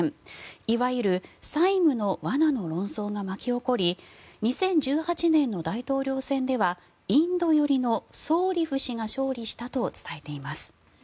いわゆる債務の罠の論争が巻き起こり２０１８年の大統領選ではインド寄りのソーリフ氏が勝利したと伝えています。